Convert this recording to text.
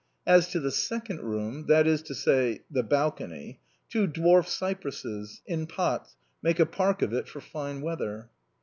As to the second room — that is to say, the balcony — ^two dwarf cypresses, in pots, make a park of it for fine weather.